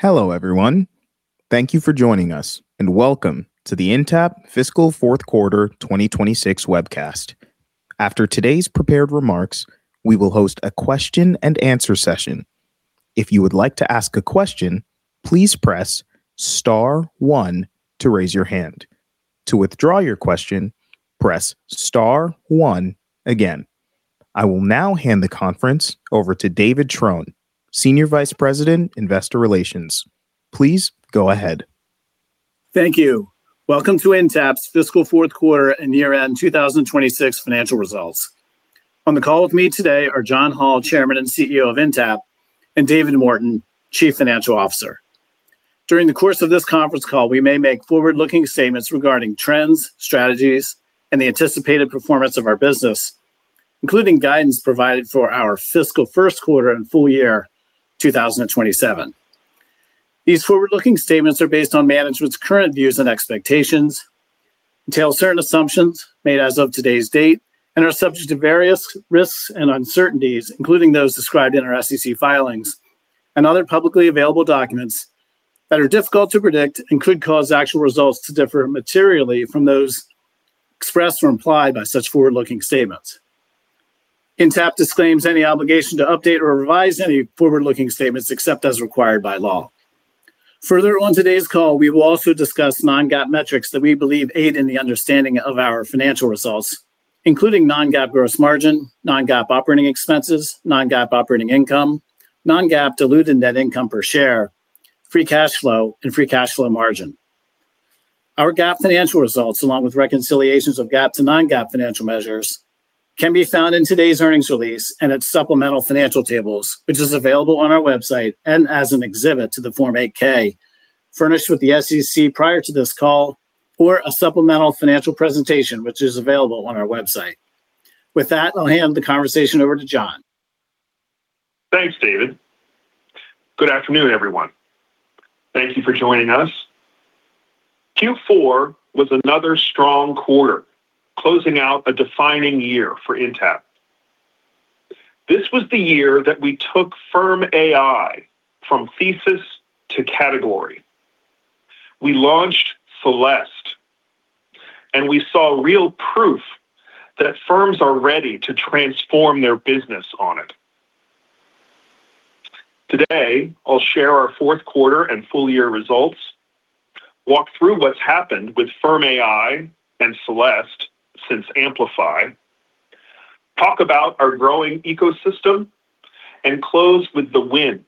Hello, everyone. Thank you for joining us, and welcome to the Intapp fiscal Q4 2026 webcast. After today's prepared remarks, we will host a question and answer session. If you would like to ask a question, please press star one to raise your hand. To withdraw your question, press star one again. I will now hand the conference over to David Trone, Senior Vice President, Investor Relations. Please go ahead. Thank you. Welcome to Intapp's fiscal Q4 and year-end 2026 financial results. On the call with me today are John Hall, Chairman and CEO of Intapp, and David Morton, Chief Financial Officer. During the course of this conference call, we may make forward-looking statements regarding trends, strategies, and the anticipated performance of our business, including guidance provided for our fiscal Q1 and full year 2027. These forward-looking statements are based on management's current views and expectations, entail certain assumptions made as of today's date, and are subject to various risks and uncertainties, including those described in our SEC filings and other publicly available documents that are difficult to predict and could cause actual results to differ materially from those expressed or implied by such forward-looking statements. Intapp disclaims any obligation to update or revise any forward-looking statements except as required by law. Further, on today's call, we will also discuss non-GAAP metrics that we believe aid in the understanding of our financial results, including non-GAAP gross margin, non-GAAP operating expenses, non-GAAP operating income, non-GAAP diluted net income per share, free cash flow, and free cash flow margin. Our GAAP financial results, along with reconciliations of GAAP to non-GAAP financial measures, can be found in today's earnings release and its supplemental financial tables, which is available on our website and as an exhibit to the Form 8-K furnished with the SEC prior to this call, or a supplemental financial presentation, which is available on our website. With that, I'll hand the conversation over to John. Thanks, David. Good afternoon, everyone. Thank you for joining us. Q4 was another strong quarter, closing out a defining year for Intapp. This was the year that we took Firm AI from thesis to category. We launched Celeste, and we saw real proof that firms are ready to transform their business on it. Today, I'll share our Q4 and full year results, walk through what's happened with Firm AI and Celeste since Amplify, talk about our growing ecosystem, and close with the wins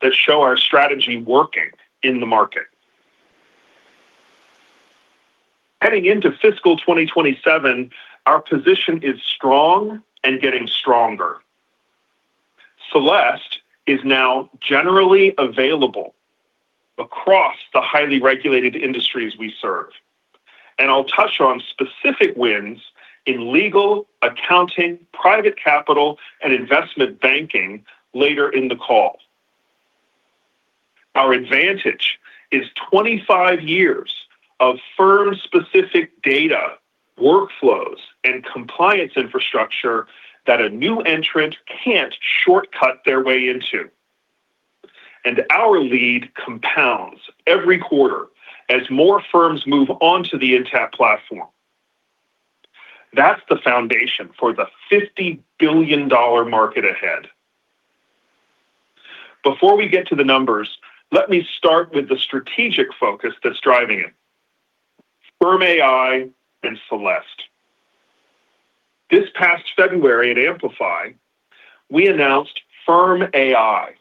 that show our strategy working in the market. Heading into fiscal 2027, our position is strong and getting stronger. Celeste is now generally available across the highly regulated industries we serve. I'll touch on specific wins in legal, accounting, private capital, and investment banking later in the call. Our advantage is 25 years of firm-specific data, workflows, and compliance infrastructure that a new entrant can't shortcut their way into. Our lead compounds every quarter as more firms move onto the Intapp platform. That's the foundation for the $50 billion market ahead. Before we get to the numbers, let me start with the strategic focus that's driving it, Firm AI and Celeste. This past February at Amplify, we announced Firm AI,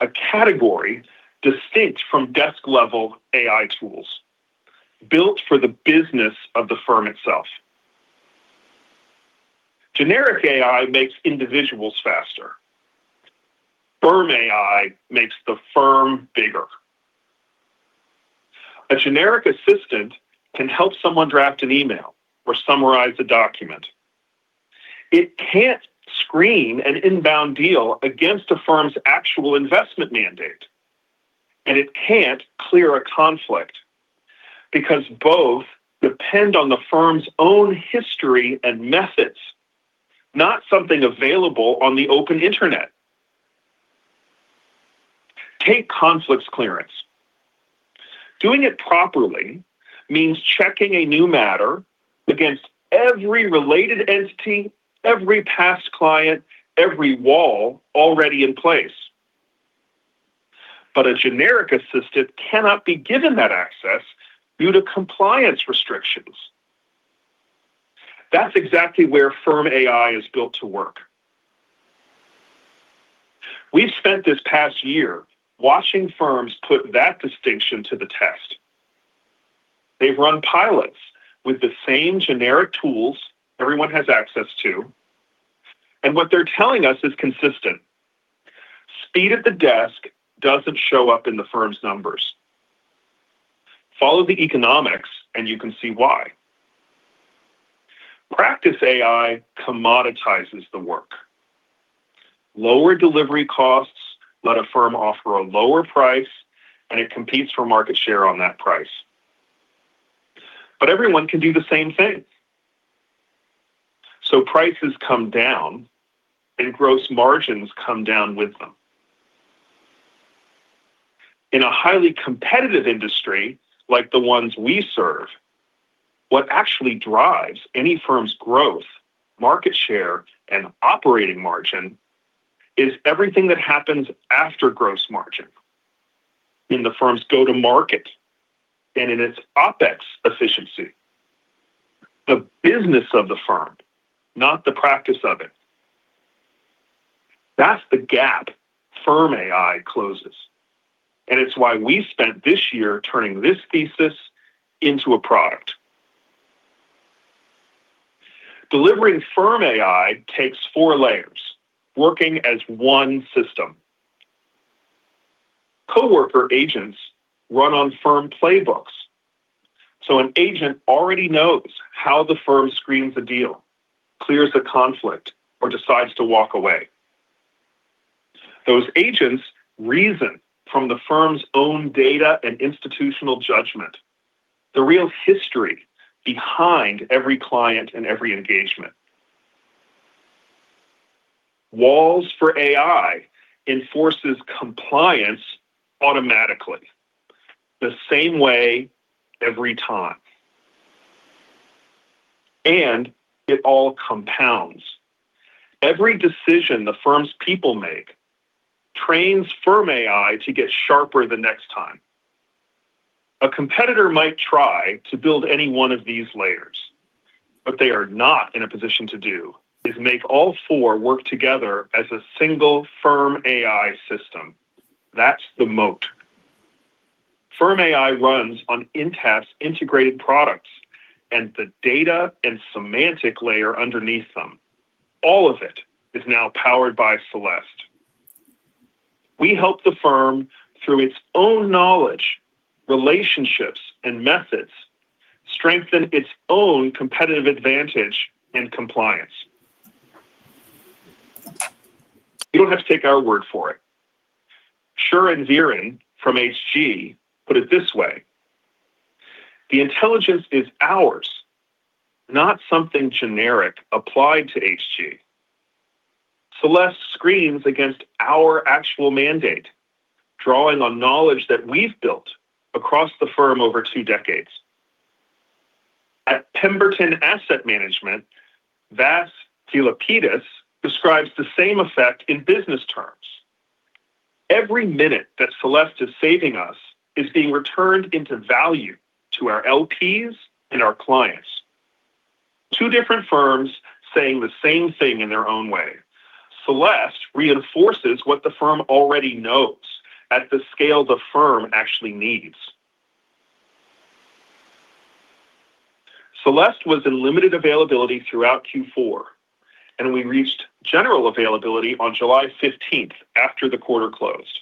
a category distinct from desk-level AI tools, built for the business of the firm itself. Generic AI makes individuals faster. Firm AI makes the firm bigger. A generic assistant can help someone draft an email or summarize a document. It can't screen an inbound deal against a firm's actual investment mandate, and it can't clear a conflict, because both depend on the firm's own history and methods, not something available on the open internet. Take conflicts clearance. Doing it properly means checking a new matter against every related entity, every past client, every wall already in place. A generic assistant cannot be given that access due to compliance restrictions. That's exactly where Firm AI is built to work. We've spent this past year watching firms put that distinction to the test. They've run pilots with the same generic tools everyone has access to, and what they're telling us is consistent. Speed at the desk doesn't show up in the firm's numbers. Follow the economics and you can see why. Practice AI commoditizes the work. Lower delivery costs let a firm offer a lower price, and it competes for market share on that price. Everyone can do the same thing. The prices come down and gross margins come down with them. In a highly competitive industry, like the ones we serve, what actually drives any firm's growth, market share, and operating margin is everything that happens after gross margin in the firm's go-to-market and in its OpEx efficiency. The business of the firm, not the practice of it. That's the gap Firm AI closes, and it's why we spent this year turning this thesis into a product. Delivering Firm AI takes four layers working as one system. Coworker agents run on firm playbooks, so an agent already knows how the firm screens a deal, clears a conflict, or decides to walk away. Those agents reason from the firm's own data and institutional judgment, the real history behind every client and every engagement. Walls for AI enforces compliance automatically, the same way every time. It all compounds. Every decision the firm's people make trains Firm AI to get sharper the next time. A competitor might try to build any one of these layers. What they are not in a position to do is make all four work together as a single Firm AI system. That's the moat. Firm AI runs on Intapp's integrated products and the data and semantic layer underneath them. All of it is now powered by Celeste. We help the firm through its own knowledge, relationships, and methods, strengthen its own competitive advantage and compliance. You don't have to take our word for it. Thilo Zirn from Hg put it this way: "The intelligence is ours, not something generic applied to Hg." Celeste screens against our actual mandate, drawing on knowledge that we've built across the firm over two decades. At Pemberton Asset Management, Vasileios Filippidis describes the same effect in business terms. Every minute that Celeste is saving us is being returned into value to our LPs and our clients. Two different firms saying the same thing in their own way. Celeste reinforces what the firm already knows at the scale the firm actually needs. Celeste was in limited availability throughout Q4, and we reached general availability on July 15th, after the quarter closed.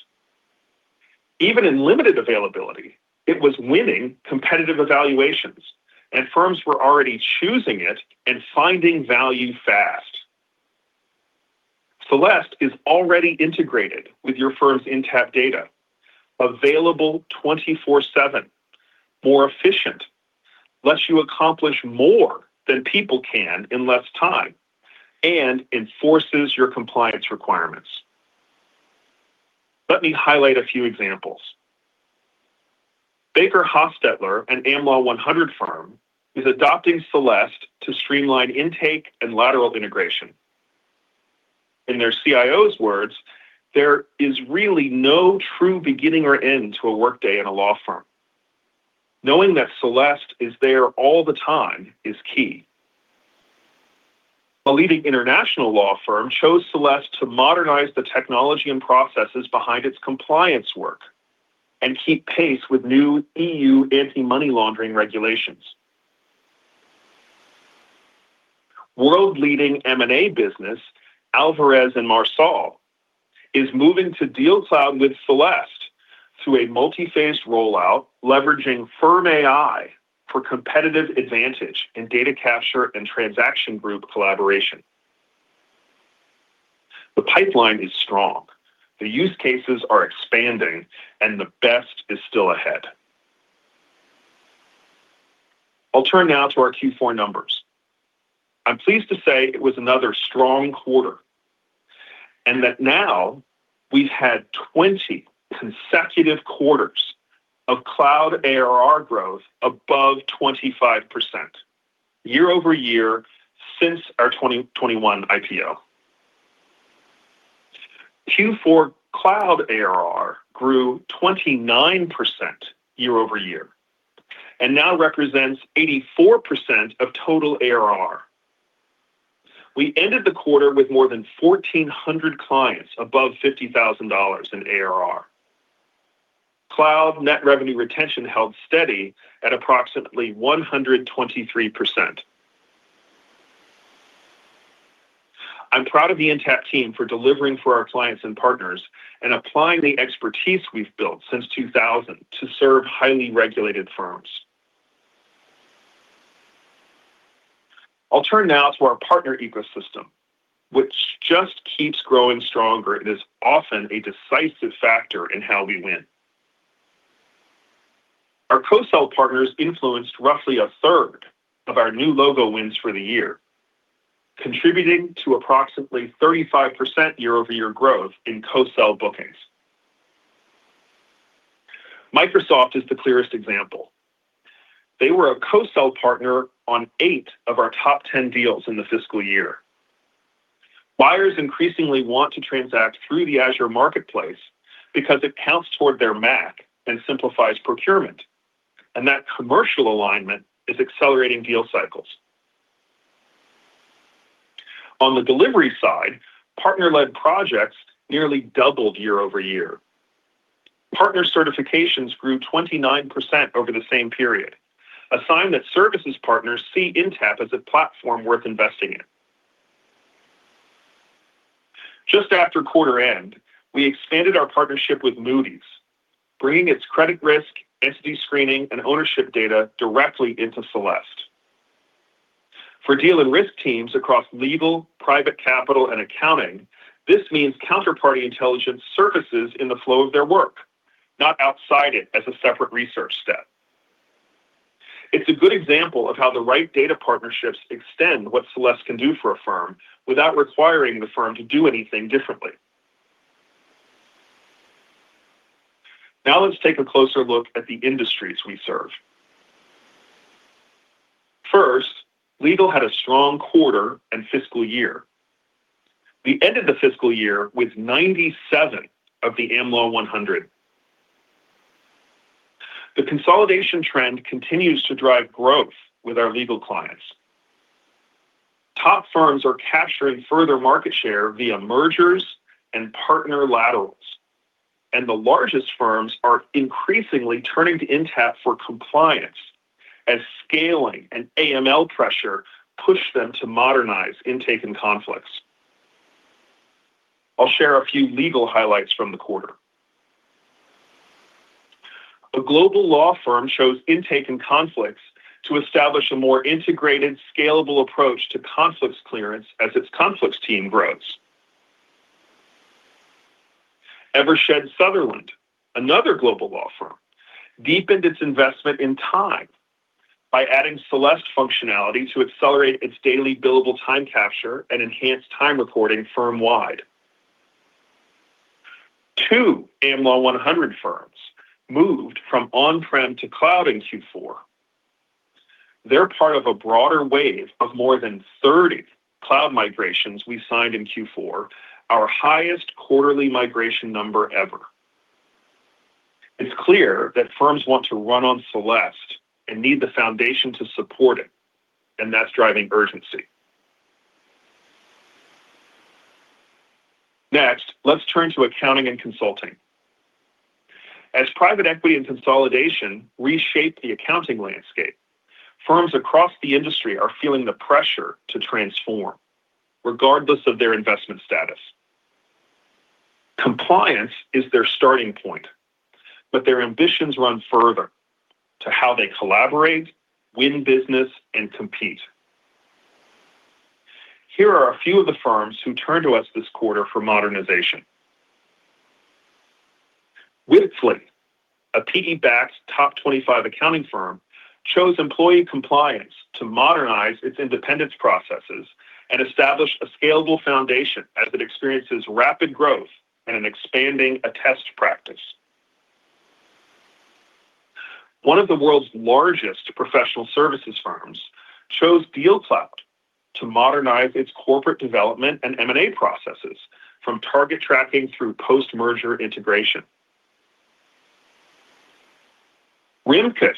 Even in limited availability, it was winning competitive evaluations and firms were already choosing it and finding value fast. Celeste is already integrated with your firm's Intapp data. Available 24/7, more efficient, lets you accomplish more than people can in less time, and enforces your compliance requirements. Let me highlight a few examples. BakerHostetler, an Am Law 100 firm, is adopting Celeste to streamline intake and lateral integration. In their CIO's words, "There is really no true beginning or end to a workday in a law firm. Knowing that Celeste is there all the time is key." A leading international law firm chose Celeste to modernize the technology and processes behind its compliance work and keep pace with new EU anti-money laundering regulations. World leading M&A business, Alvarez & Marsal, is moving to DealCloud with Celeste through a multi-phased rollout, leveraging Firm AI for competitive advantage in data capture and transaction group collaboration. The pipeline is strong, the use cases are expanding, and the best is still ahead. I'll turn now to our Q4 numbers. I'm pleased to say it was another strong quarter. Now we've had 20 consecutive quarters of cloud ARR growth above 25% year-over-year since our 2021 IPO. Q4 cloud ARR grew 29% year-over-year and now represents 84% of total ARR. We ended the quarter with more than 1,400 clients above $50,000 in ARR. Cloud net revenue retention held steady at approximately 123%. I'm proud of the Intapp team for delivering for our clients and partners and applying the expertise we've built since 2000 to serve highly regulated firms. I'll turn now to our partner ecosystem, which just keeps growing stronger and is often a decisive factor in how we win. Co-sell partners influenced roughly a third of our new logo wins for the year, contributing to approximately 35% year-over-year growth in co-sell bookings. Microsoft is the clearest example. They were a co-sell partner on eight of our top 10 deals in the fiscal year. Buyers increasingly want to transact through the Azure Marketplace because it counts toward their MAC and simplifies procurement. That commercial alignment is accelerating deal cycles. On the delivery side, partner-led projects nearly doubled year-over-year. Partner certifications grew 29% over the same period, a sign that services partners see Intapp as a platform worth investing in. Just after quarter end, we expanded our partnership with Moody's, bringing its credit risk, entity screening, and ownership data directly into Celeste. For deal and risk teams across legal, private capital and accounting, this means counterparty intelligence surfaces in the flow of their work, not outside it as a separate research step. It's a good example of how the right data partnerships extend what Celeste can do for a firm without requiring the firm to do anything differently. Let's take a closer look at the industries we serve. First, legal had a strong quarter and fiscal year. We ended the fiscal year with 97 of the Am Law 100. The consolidation trend continues to drive growth with our legal clients. Top firms are capturing further market share via mergers and partner laterals. The largest firms are increasingly turning to Intapp for compliance as scaling and AML pressure push them to modernize intake and conflicts. I'll share a few legal highlights from the quarter. A global law firm chose intake and conflicts to establish a more integrated, scalable approach to conflicts clearance as its conflicts team grows. Eversheds Sutherland, another global law firm, deepened its investment in time by adding Celeste functionality to accelerate its daily billable time capture and enhance time recording firm wide. Two Am Law 100 firms moved from on-prem to cloud in Q4. They're part of a broader wave of more than 30 cloud migrations we signed in Q4, our highest quarterly migration number ever. It's clear that firms want to run on Celeste and need the foundation to support it. That's driving urgency. Next, let's turn to accounting and consulting. As private equity and consolidation reshape the accounting landscape, firms across the industry are feeling the pressure to transform regardless of their investment status. Compliance is their starting point. Their ambitions run further to how they collaborate, win business, and compete. Here are a few of the firms who turned to us this quarter for modernization. Wipfli, a PE-backed top 25 accounting firm, chose employee compliance to modernize its independence processes and establish a scalable foundation as it experiences rapid growth and an expanding attest practice. One of the world's largest professional services firms chose DealCloud to modernize its corporate development and M&A processes from target tracking through post-merger integration. Rimkus,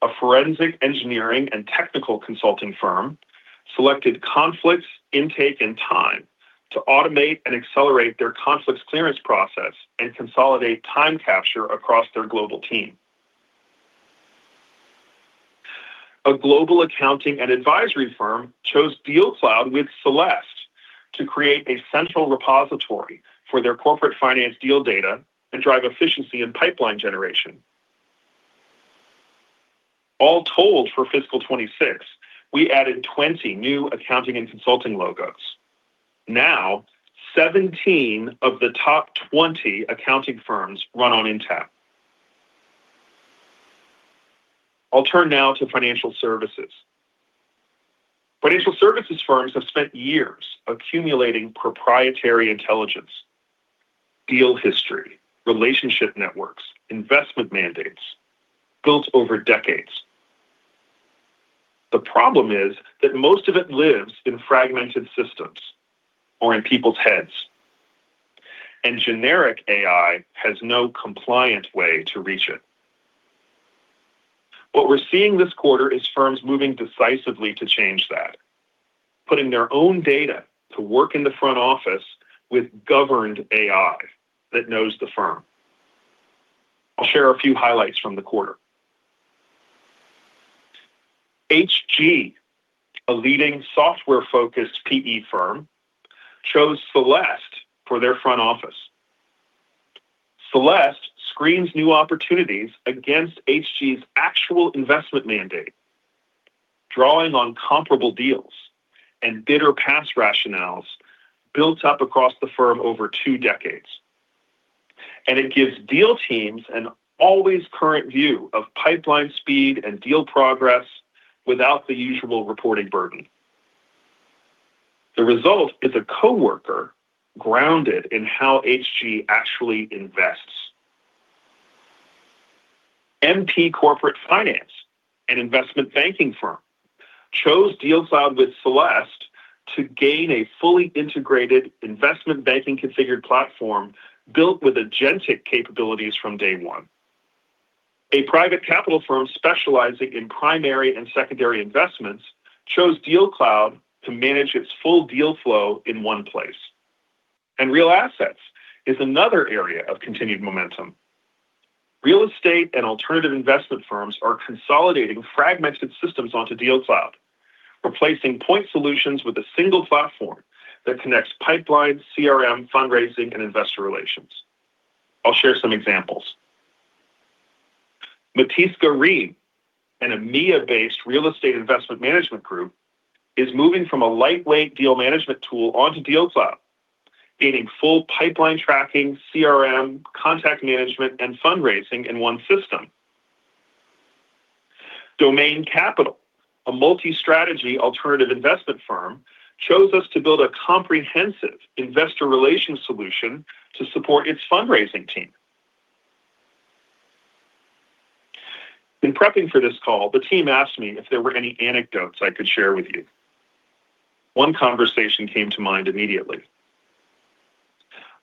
a forensic engineering and technical consulting firm, selected Conflicts, Intake, and Time to automate and accelerate their conflicts clearance process and consolidate time capture across their global team. A global accounting and advisory firm chose DealCloud with Celeste to create a central repository for their corporate finance deal data and drive efficiency in pipeline generation. All told, for fiscal 2026, we added 20 new accounting and consulting logos. Now, 17 of the top 20 accounting firms run on Intapp. I'll turn now to financial services. Financial services firms have spent years accumulating proprietary intelligence, deal history, relationship networks, investment mandates, built over decades. The problem is that most of it lives in fragmented systems or in people's heads. Generic AI has no compliant way to reach it. What we're seeing this quarter is firms moving decisively to change that, putting their own data to work in the front office with governed AI that knows the firm. I'll share a few highlights from the quarter. Hg, a leading software focused PE firm, chose Celeste for their front office. Celeste screens new opportunities against Hg's actual investment mandate. Drawing on comparable deals and bidder pass rationales built up across the firm over two decades. It gives deal teams an always current view of pipeline speed and deal progress without the usual reporting burden. The result is a coworker grounded in how Hg actually invests. MP Corporate Finance, an investment banking firm, chose DealCloud with Celeste to gain a fully integrated investment banking configured platform built with agentic capabilities from day one. A private capital firm specializing in primary and secondary investments chose DealCloud to manage its full deal flow in one place. Real assets is another area of continued momentum. Real estate and alternative investment firms are consolidating fragmented systems onto DealCloud, replacing point solutions with a single platform that connects pipeline, CRM, fundraising, and investor relations. I'll share some examples. Mitiska REIM, an EMEA-based real estate investment management group, is moving from a lightweight deal management tool onto DealCloud, gaining full pipeline tracking, CRM, contact management, and fundraising in one system. Domain Capital Group, a multi-strategy alternative investment firm, chose us to build a comprehensive investor relations solution to support its fundraising team. In prepping for this call, the team asked me if there were any anecdotes I could share with you. One conversation came to mind immediately.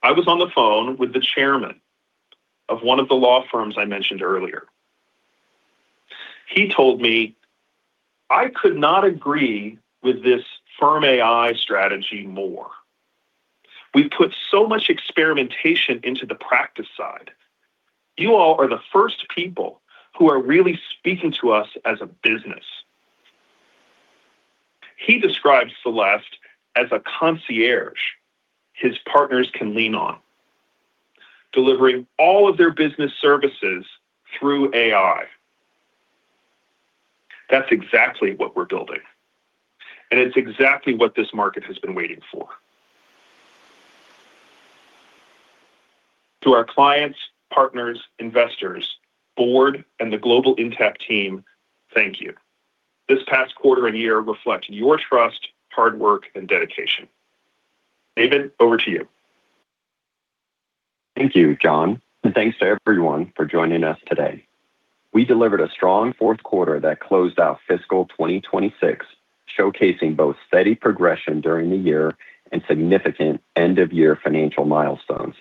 I was on the phone with the chairman of one of the law firms I mentioned earlier. He told me, "I could not agree with this Firm AI strategy more. We've put so much experimentation into the practice side. You all are the first people who are really speaking to us as a business." He describes Celeste as a concierge his partners can lean on, delivering all of their business services through AI. That's exactly what we're building, and it's exactly what this market has been waiting for. To our clients, partners, investors, board, and the global Intapp team, thank you. This past quarter and year reflect your trust, hard work, and dedication. David, over to you. Thank you, John. Thanks to everyone for joining us today. We delivered a strong Q4 that closed out fiscal 2026, showcasing both steady progression during the year and significant end-of-year financial milestones.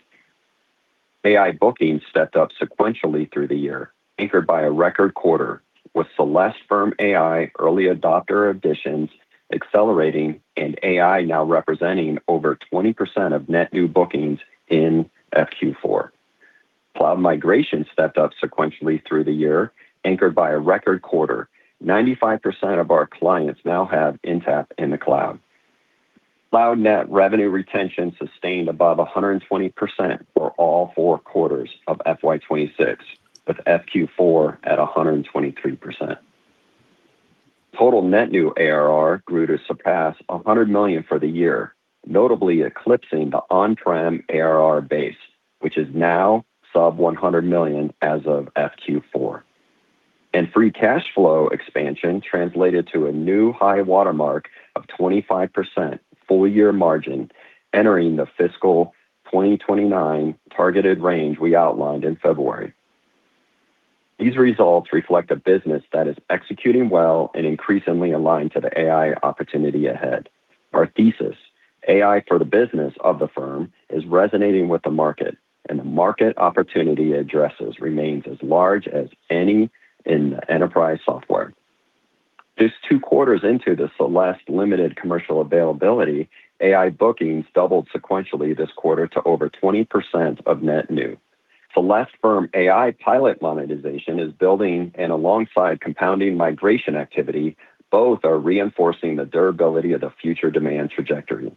AI bookings stepped up sequentially through the year, anchored by a record quarter with Celeste Firm AI early adopter additions accelerating and AI now representing over 20% of net new bookings in FQ4. Cloud migration stepped up sequentially through the year, anchored by a record quarter. 95% of our clients now have Intapp in the cloud. Cloud net revenue retention sustained above 120% for all four quarters of FY 2026, with FQ4 at 123%. Total net new ARR grew to surpass $100 million for the year, notably eclipsing the on-prem ARR base, which is now sub $100 million as of FQ4. Free cash flow expansion translated to a new high watermark of 25% full year margin entering the fiscal 2029 targeted range we outlined in February. These results reflect a business that is executing well and increasingly aligned to the AI opportunity ahead. Our thesis, AI for the business of the firm, is resonating with the market. The market opportunity addresses remains as large as any in enterprise software. Just two quarters into the Celeste limited commercial availability, AI bookings doubled sequentially this quarter to over 20% of net new. Celeste Firm AI pilot monetization is building. Alongside compounding migration activity, both are reinforcing the durability of the future demand trajectory.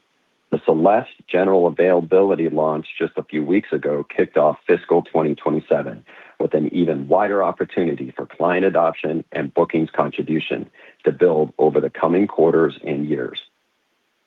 The Celeste general availability launch just a few weeks ago kicked off fiscal 2027 with an even wider opportunity for client adoption and bookings contribution to build over the coming quarters and years.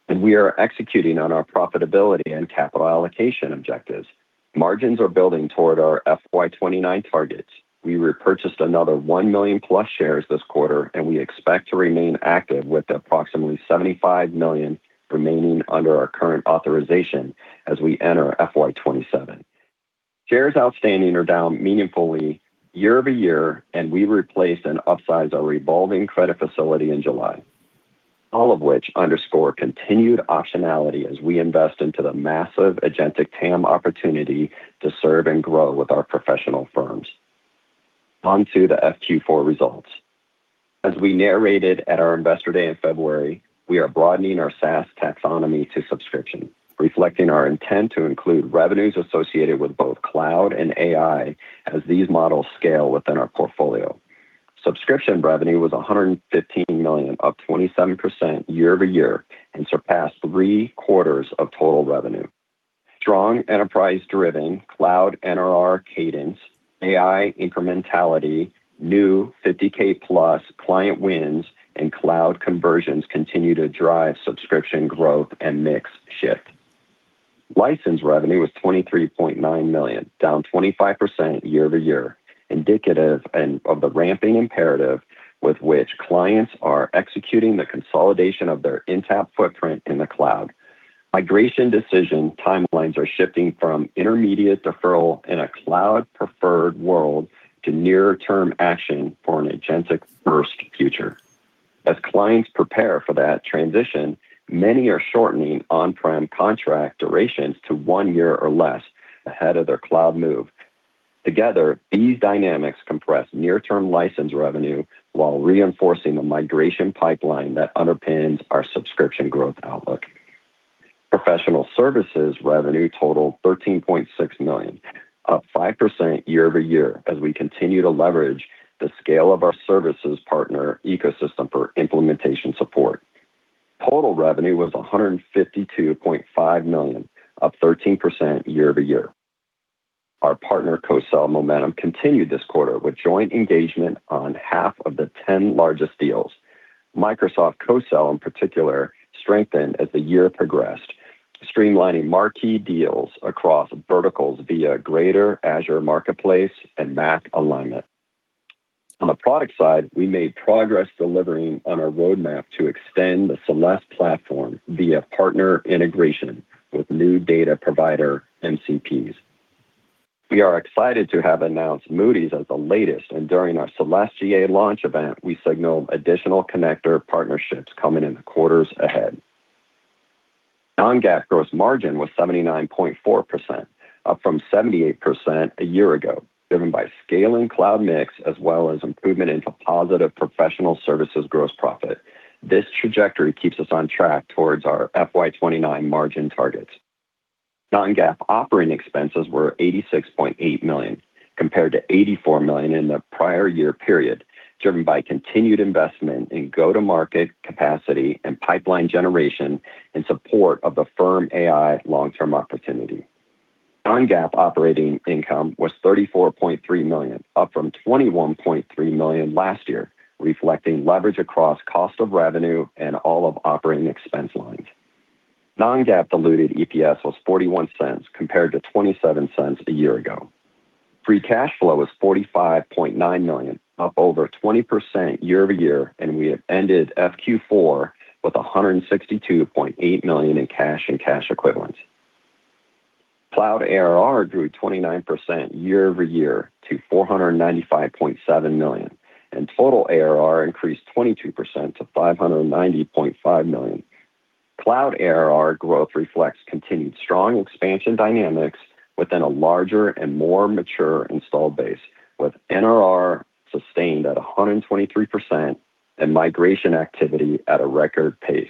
We are executing on our profitability and capital allocation objectives. Margins are building toward our FY 2029 targets. We repurchased another 1 million+ shares this quarter, and we expect to remain active with approximately $75 million remaining under our current authorization as we enter FY 2027. Shares outstanding are down meaningfully year-over-year, and we replaced and upsized our revolving credit facility in July. All of which underscore continued optionality as we invest into the massive agentic TAM opportunity to serve and grow with our professional firms. On to the FQ4 results. As we narrated at our Investor Day in February, we are broadening our SaaS taxonomy to subscription, reflecting our intent to include revenues associated with both cloud and AI as these models scale within our portfolio. Subscription revenue was $115 million, up 27% year-over-year, and surpassed three-quarters of total revenue. Strong enterprise-driven cloud NRR cadence, AI incrementality, new 50K+ client wins, and cloud conversions continue to drive subscription growth and mix shift. License revenue was $23.9 million, down 25% year-over-year, indicative of the ramping imperative with which clients are executing the consolidation of their Intapp footprint in the cloud. Migration decision timelines are shifting from intermediate deferral in a cloud-preferred world to nearer-term action for an agentic-first future. As clients prepare for that transition, many are shortening on-prem contract durations to one year or less ahead of their cloud move. Together, these dynamics compress near-term license revenue while reinforcing the migration pipeline that underpins our subscription growth outlook. Professional services revenue totaled $13.6 million, up five percent year-over-year as we continue to leverage the scale of our services partner ecosystem for implementation support. Total revenue was $152.5 million, up 13% year-over-year. Our partner co-sell momentum continued this quarter with joint engagement on half of the 10 largest deals. Microsoft co-sell in particular strengthened as the year progressed, streamlining marquee deals across verticals via greater Azure Marketplace and MAC alignment. On the product side, we made progress delivering on our roadmap to extend the Celeste platform via partner integration with new data provider MCPs. We are excited to have announced Moody's as the latest, and during our Celeste GA launch event, we signaled additional connector partnerships coming in the quarters ahead. Non-GAAP gross margin was 79.4%, up from 78% a year ago, driven by scaling cloud mix as well as improvement in composite of professional services gross profit. This trajectory keeps us on track towards our FY 2029 margin targets. Non-GAAP operating expenses were $86.8 million, compared to $84 million in the prior year period, driven by continued investment in go-to-market capacity and pipeline generation in support of the Firm AI long-term opportunity. Non-GAAP operating income was $34.3 million, up from $21.3 million last year, reflecting leverage across cost of revenue and all of operating expense lines. Non-GAAP diluted EPS was $0.41 compared to $0.27 a year ago. Free cash flow was $45.9 million, up over 20% year-over-year, and we have ended FQ4 with $162.8 million in cash and cash equivalents. Cloud ARR grew 29% year-over-year to $495.7 million, and total ARR increased 22% to $590.5 million. Cloud ARR growth reflects continued strong expansion dynamics within a larger and more mature installed base, with NRR sustained at 123% and migration activity at a record pace.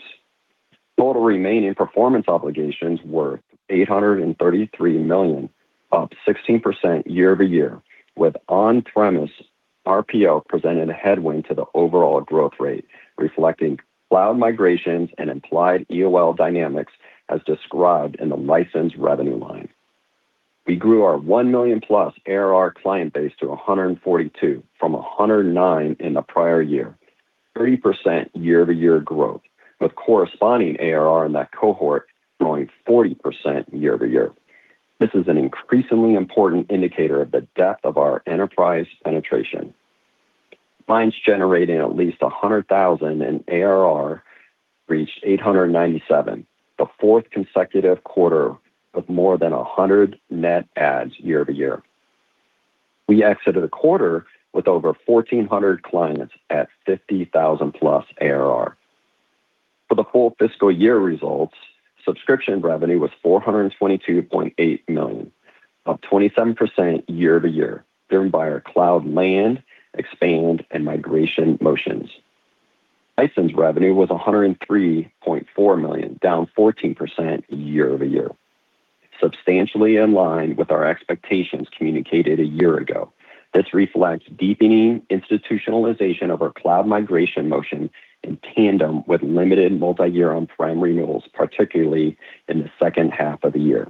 Total remaining performance obligations were $833 million, up 16% year-over-year, with on-premise RPO presenting a headwind to the overall growth rate, reflecting cloud migrations and implied EOL dynamics as described in the license revenue line. We grew our $1 million plus ARR client base to 142 from 109 in the prior year, 30% year-over-year growth, with corresponding ARR in that cohort growing 40% year-over-year. This is an increasingly important indicator of the depth of our enterprise penetration. Clients generating at least $100,000 in ARR reached 897, the fourth consecutive quarter of more than 100 net adds year-over-year. We exited the quarter with over 1,400 clients at $50,000 plus ARR. For the full fiscal year results, subscription revenue was $422.8 million, up 27% year-over-year, driven by our cloud land, expand, and migration motions. License revenue was $103.4 million, down 14% year-over-year, substantially in line with our expectations communicated a year ago. This reflects deepening institutionalization of our cloud migration motion in tandem with limited multi-year on-prem renewals, particularly in the second half of the year.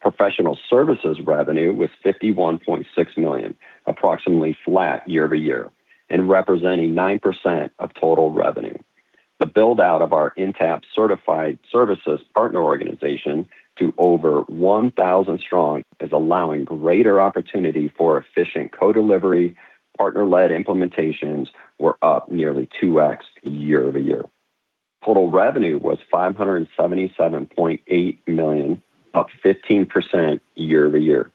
Professional services revenue was $51.6 million, approximately flat year-over-year, and representing nine percent of total revenue. The build-out of our Intapp certified services partner organization to over 1,000 strong is allowing greater opportunity for efficient co-delivery. Partner-led implementations were up nearly 2x year-over-year. Total revenue was $577.8 million, up 15% year-over-year.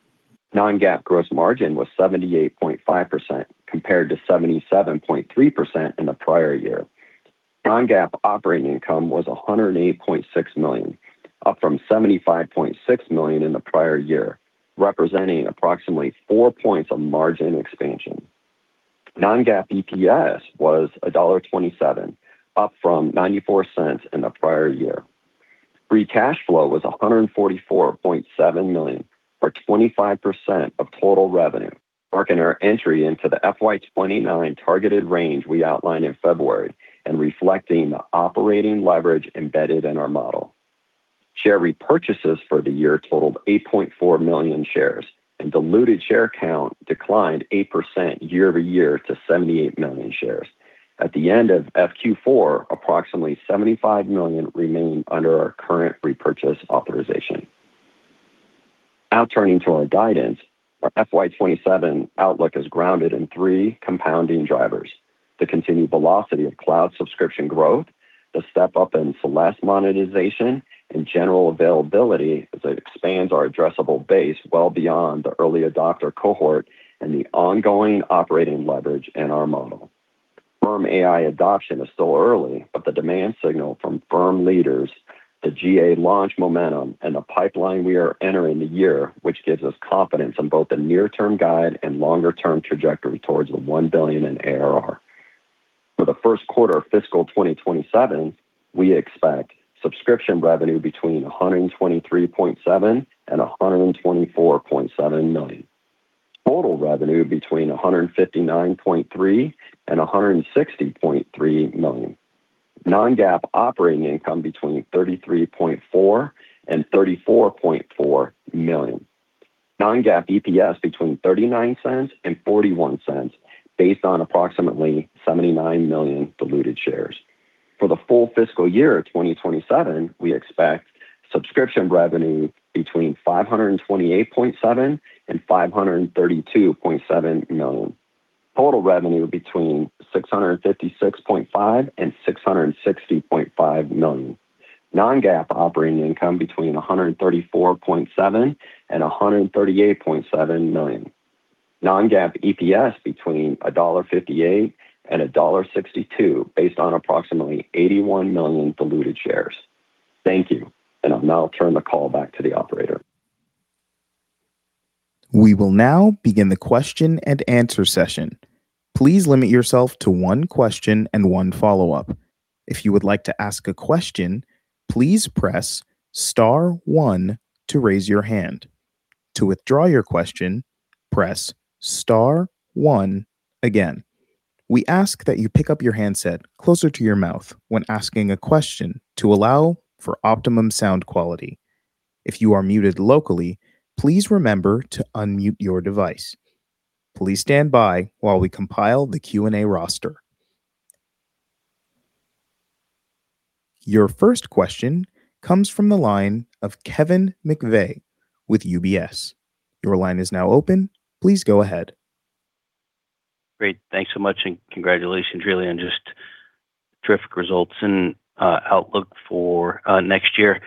Non-GAAP gross margin was 78.5%, compared to 77.3% in the prior year. Non-GAAP operating income was $108.6 million, up from $75.6 million in the prior year, representing approximately four points of margin expansion. Non-GAAP EPS was $1.27, up from $0.94 in the prior year. Free cash flow was $144.7 million or 25% of total revenue, marking our entry into the FY 2029 targeted range we outlined in February and reflecting the operating leverage embedded in our model. Share repurchases for the year totaled 8.4 million shares, and diluted share count declined eight percent year-over-year to 78 million shares. At the end of FQ4, approximately 75 million remain under our current repurchase authorization. Turning to our guidance, our FY 2027 outlook is grounded in three compounding drivers, the continued velocity of cloud subscription growth, the step-up in Celeste monetization, and general availability as it expands our addressable base well beyond the early adopter cohort and the ongoing operating leverage in our model. Firm AI adoption is still early, the demand signal from firm leaders, the GA launch momentum, and the pipeline we are entering the year, which gives us confidence in both the near-term guide and longer-term trajectory towards the $1 billion in ARR. For the Q1 of fiscal 2027, we expect subscription revenue between $123.7 million and $124.7 million. Total revenue between $159.3 million and $160.3 million. Non-GAAP operating income between $33.4 million and $34.4 million. Non-GAAP EPS between $0.39 and $0.41 based on approximately 79 million diluted shares. For the full fiscal year of 2027, we expect subscription revenue between $528.7 million and $532.7 million. Total revenue between $656.5 million and $660.5 million. Non-GAAP operating income between $134.7 million and $138.7 million. Non-GAAP EPS between $1.58 and $1.62, based on approximately 81 million diluted shares. Thank you. I'll now turn the call back to the operator. We will now begin the question and answer session. Please limit yourself to one question and one follow-up. If you would like to ask a question, please press * one to raise your hand. To withdraw your question, press * one again. We ask that you pick up your handset closer to your mouth when asking a question to allow for optimum sound quality. If you are muted locally, please remember to unmute your device. Please stand by while we compile the Q&A roster. Your first question comes from the line of Kevin McVeigh with UBS. Your line is now open. Please go ahead. Great. Thanks so much, and congratulations, really, on just terrific results and outlook for next year.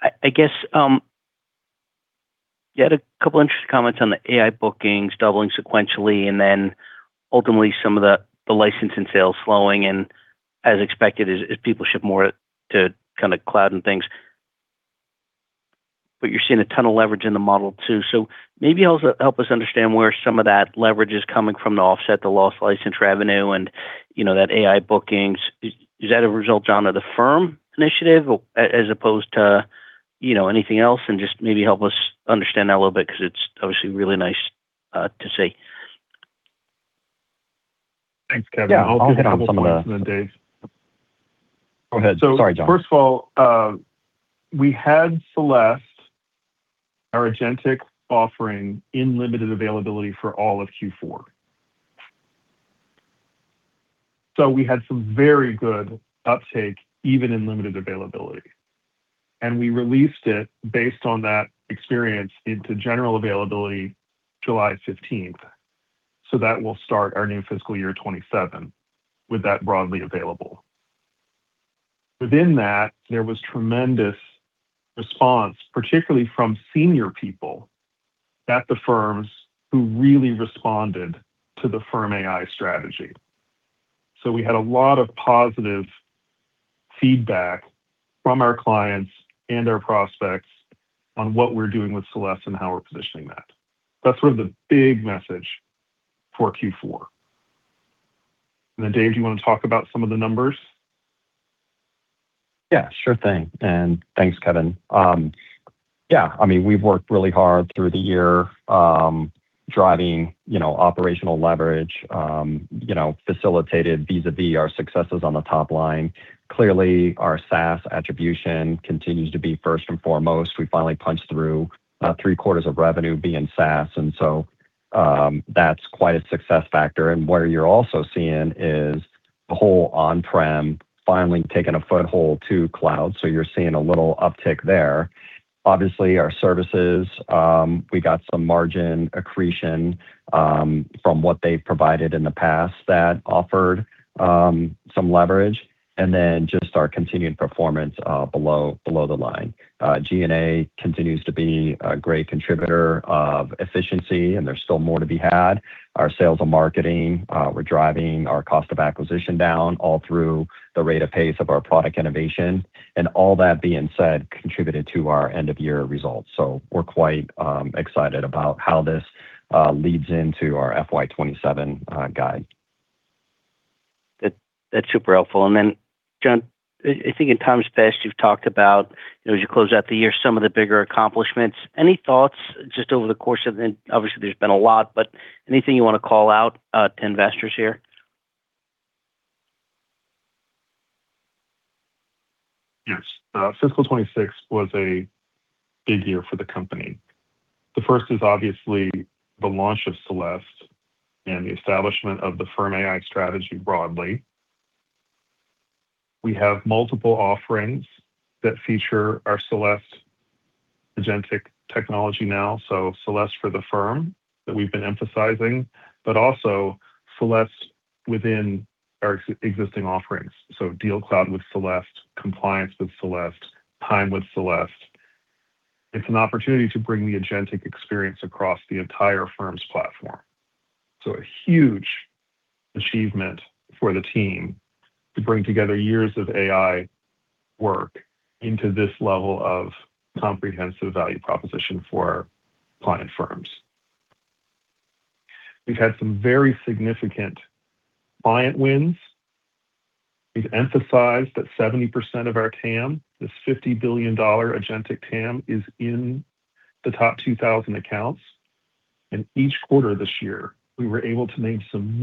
I guess, you had a couple interesting comments on the AI bookings doubling sequentially, then ultimately some of the licensing sales slowing and as expected as people ship more to kind of cloud and things. You're seeing a ton of leverage in the model, too. Maybe help us understand where some of that leverage is coming from to offset the lost license revenue and that AI bookings. Is that a result, John, of the firm initiative as opposed to anything else? Just maybe help us understand that a little bit because it's obviously really nice to see. Thanks, Kevin. Yeah. I'll hit on some of. I'll take a couple points and then Dave. Go ahead. Sorry, John. First of all, we had Celeste, our agentic offering, in limited availability for all of Q4. We had some very good uptake, even in limited availability. We released it based on that experience into general availability July 15th. That will start our new fiscal year 2027 with that broadly available. Within that, there was tremendous response, particularly from senior people at the firms who really responded to the Firm AI strategy. We had a lot of positive feedback from our clients and our prospects on what we're doing with Celeste and how we're positioning that. That's sort of the big message for Q4. Then Dave, do you want to talk about some of the numbers? Yeah, sure thing, and thanks, Kevin. We've worked really hard through the year driving operational leverage, facilitated vis-a-vis our successes on the top line. Clearly, our SaaS attribution continues to be first and foremost. We finally punched through three-quarters of revenue being SaaS. That's quite a success factor. What you're also seeing is the whole on-prem finally taking a foothold to cloud, so you're seeing a little uptick there. Obviously, our services, we got some margin accretion from what they've provided in the past that offered some leverage. Just our continued performance below the line. G&A continues to be a great contributor of efficiency. There's still more to be had. Our sales and marketing, we're driving our cost of acquisition down all through the rate of pace of our product innovation. All that being said, contributed to our end-of-year results. We're quite excited about how this leads into our FY 2027 guide. That's super helpful. Then, John, I think in times past, you've talked about, as you close out the year, some of the bigger accomplishments. Any thoughts just over the course of Obviously, there's been a lot, but anything you want to call out to investors here? Yes. Fiscal 2026 was a big year for the company. The first is obviously the launch of Celeste and the establishment of the Firm AI strategy broadly. We have multiple offerings that feature our Celeste agentic technology now. Celeste for the Firm that we've been emphasizing, but also Celeste within our existing offerings. DealCloud with Celeste, Compliance with Celeste, Time with Celeste. It's an opportunity to bring the agentic experience across the entire firm's platform. A huge achievement for the team to bring together years of AI work into this level of comprehensive value proposition for client firms. We've had some very significant client wins. We've emphasized that 70% of our TAM, this $50 billion agentic TAM, is in the top 2,000 accounts. Each quarter this year, we were able to make some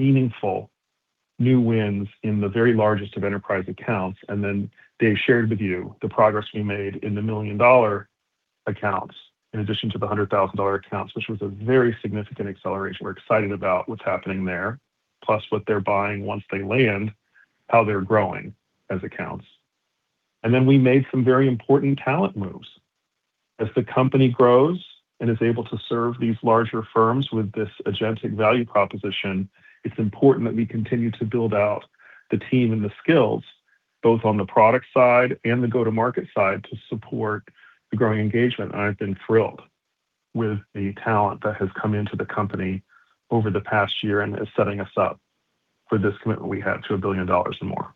meaningful new wins in the very largest of enterprise accounts. Dave shared with you the progress we made in the million-dollar accounts in addition to the $100,000 accounts, which was a very significant acceleration. We're excited about what's happening there, plus what they're buying once they land, how they're growing as accounts. We made some very important talent moves. As the company grows and is able to serve these larger firms with this agentic value proposition, it's important that we continue to build out the team and the skills, both on the product side and the go-to-market side, to support the growing engagement. I've been thrilled with the talent that has come into the company over the past year and is setting us up for this commitment we have to $1 billion or more.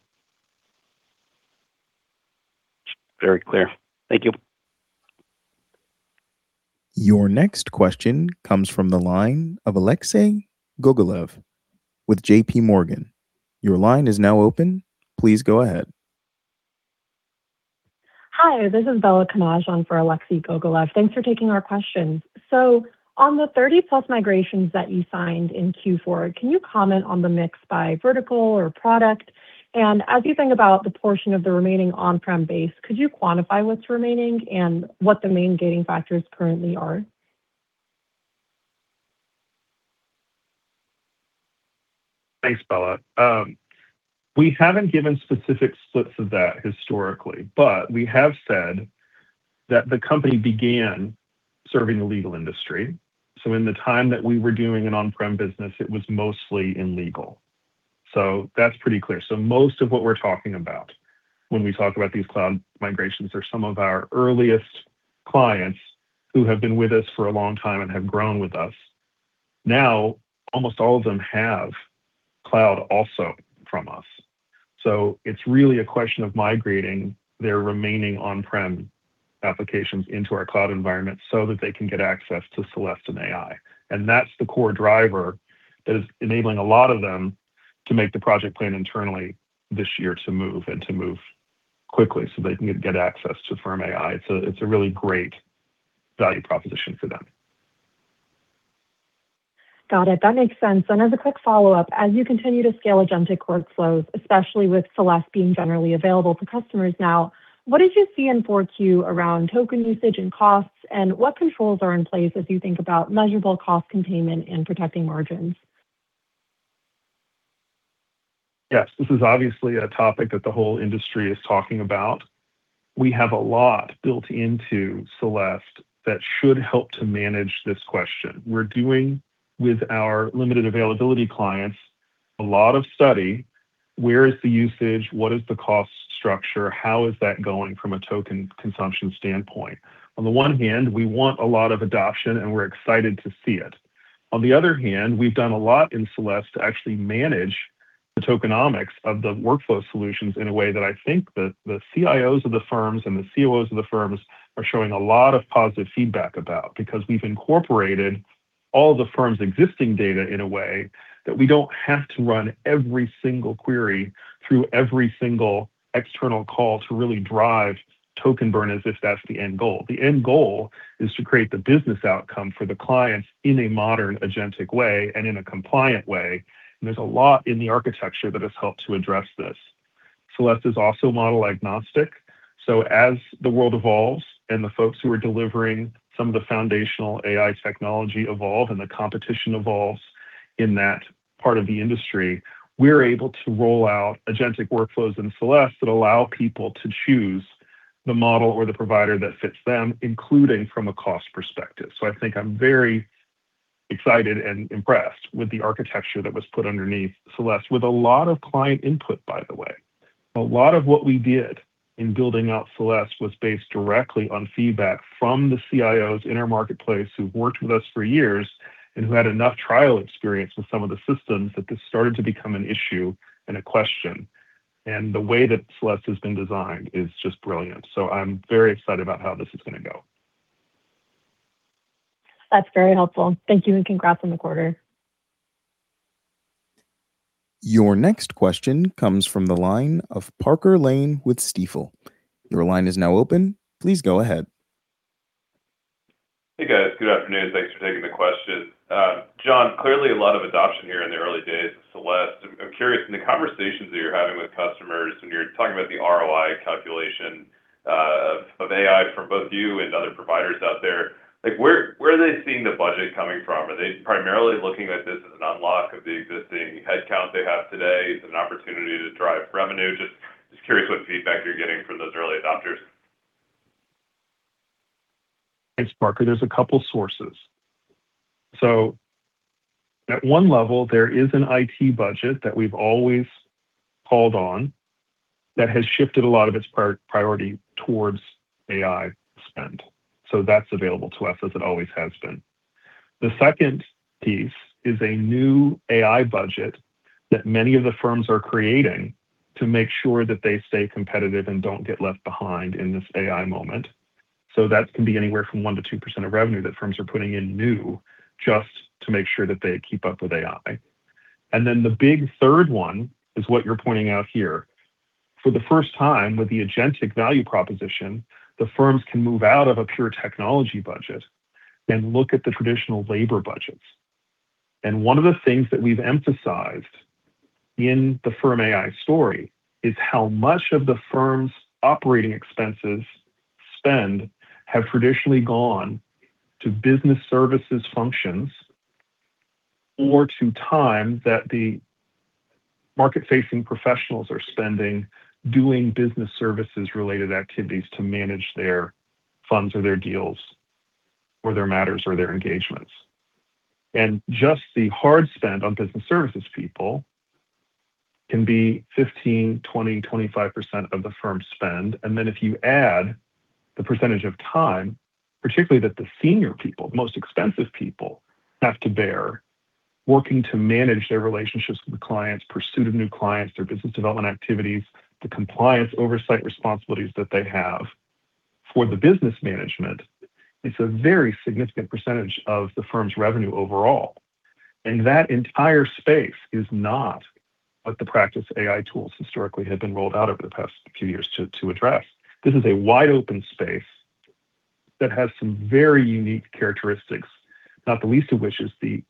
Very clear. Thank you. Your next question comes from the line of Alexei Gogolev with J.P. Morgan. Your line is now open. Please go ahead. Hi, this is Bella Camaj for Alexei Gogolev. Thanks for taking our questions. On the 30+ migrations that you signed in Q4, can you comment on the mix by vertical or product? As you think about the portion of the remaining on-prem base, could you quantify what's remaining and what the main gating factors currently are? Thanks, Bella. We haven't given specific splits of that historically, we have said that the company began serving the legal industry. In the time that we were doing an on-prem business, it was mostly in legal. That's pretty clear. Most of what we're talking about when we talk about these cloud migrations are some of our earliest clients who have been with us for a long time and have grown with us. Now, almost all of them have cloud also from us. It's really a question of migrating their remaining on-prem applications into our cloud environment so that they can get access to Celeste and AI. That's the core driver that is enabling a lot of them to make the project plan internally this year to move and to move quickly so they can get access to Firm AI. It's a really great value proposition for them. Got it. That makes sense. As a quick follow-up, as you continue to scale agentic workflows, especially with Celeste being generally available for customers now, what did you see in 4Q around token usage and costs, and what controls are in place as you think about measurable cost containment and protecting margins? Yes. This is obviously a topic that the whole industry is talking about. We have a lot built into Celeste that should help to manage this question. We're doing, with our limited availability clients, a lot of study. Where is the usage? What is the cost structure? How is that going from a token consumption standpoint? On the one hand, we want a lot of adoption, and we're excited to see it. On the other hand, we've done a lot in Celeste to actually manage the tokenomics of the workflow solutions in a way that I think the CIOs of the firms and the COOs of the firms are showing a lot of positive feedback about. We've incorporated all the firm's existing data in a way that we don't have to run every single query through every single external call to really drive token burn as if that's the end goal. The end goal is to create the business outcome for the clients in a modern, agentic way and in a compliant way. There's a lot in the architecture that has helped to address this. Celeste is also model agnostic. As the world evolves and the folks who are delivering some of the foundational AI technology evolve and the competition evolves in that part of the industry, we're able to roll out agentic workflows in Celeste that allow people to choose the model or the provider that fits them, including from a cost perspective. I think I'm very excited and impressed with the architecture that was put underneath Celeste with a lot of client input, by the way. A lot of what we did in building out Celeste was based directly on feedback from the CIOs in our marketplace who've worked with us for years and who had enough trial experience with some of the systems that this started to become an issue and a question. The way that Celeste has been designed is just brilliant. I'm very excited about how this is going to go. That's very helpful. Thank you, and congrats on the quarter. Your next question comes from the line of Parker Lane with Stifel. Your line is now open. Please go ahead. Hey, guys. Good afternoon. Thanks for taking the question. John, clearly a lot of adoption here in the early days of Celeste. I'm curious, in the conversations that you're having with customers when you're talking about the ROI calculation of AI from both you and other providers out there, where are they seeing the budget coming from? Are they primarily looking at this as an unlock of the existing head count they have today as an opportunity to drive revenue? Just curious what feedback you're getting from those early adopters. Thanks, Parker. There's a couple sources. At one level, there is an IT budget that we've always called on that has shifted a lot of its priority towards AI spend. That's available to us, as it always has been. The second piece is a new AI budget that many of the firms are creating to make sure that they stay competitive and don't get left behind in this AI moment. That can be anywhere from one percent-two percent of revenue that firms are putting in new just to make sure that they keep up with AI. The big third one is what you're pointing out here. For the first time with the agentic value proposition, the firms can move out of a pure technology budget and look at the traditional labor budgets. One of the things that we've emphasized in the Firm AI story is how much of the firm's operating expenses spend have traditionally gone to business services functions, or to time that the market facing professionals are spending doing business services related activities to manage their funds or their deals or their matters or their engagements. Just the hard spend on business services people can be 15%, 20%, 25% of the firm's spend. If you add the percentage of time, particularly that the senior people, most expensive people have to bear working to manage their relationships with the clients, pursuit of new clients, their business development activities, the compliance oversight responsibilities that they have for the business management, it's a very significant percentage of the firm's revenue overall. That entire space is not what the practice AI tools historically have been rolled out over the past few years to address. This is a wide open space that has some very unique characteristics, not the least of which is the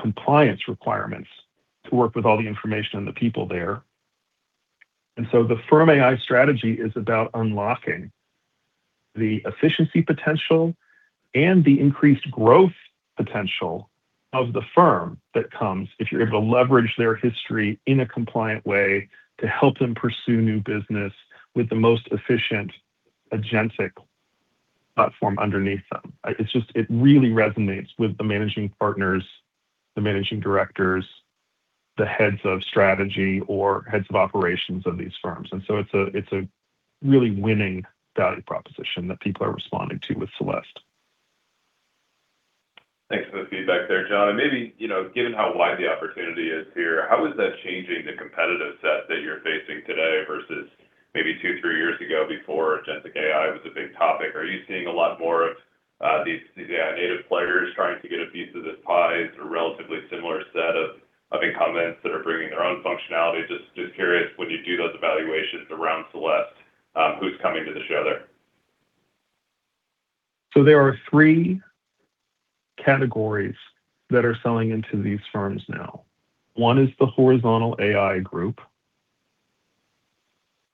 compliance requirements to work with all the information and the people there. The Firm AI strategy is about unlocking the efficiency potential and the increased growth potential of the firm that comes if you're able to leverage their history in a compliant way to help them pursue new business with the most efficient agentic platform underneath them. It really resonates with the managing partners, the managing directors, the heads of strategy or heads of operations of these firms. It's a really winning value proposition that people are responding to with Celeste. Thanks for the feedback there, John. Maybe, given how wide the opportunity is here, how is that changing the competitive set that you're facing today versus maybe two, three years ago before agentic AI was a big topic? Are you seeing a lot more of these AI native players trying to get a piece of this pie, or a relatively similar set of incumbents that are bringing their own functionality? Just curious, when you do those evaluations around Celeste, who's coming to the show there? There are three categories that are selling into these firms now. One is the horizontal AI group,